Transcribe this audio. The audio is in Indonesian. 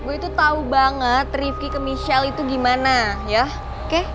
gue itu tahu banget rifki ke michelle itu gimana ya oke